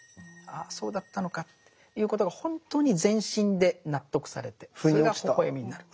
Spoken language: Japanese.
あそうだったのかということが本当に全身で納得されてそれがほほえみになる。